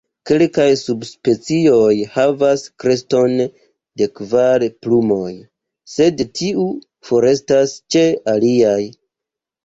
Kelkaj subspecioj havas kreston de kvar plumoj, sed tiu forestas ĉe aliaj.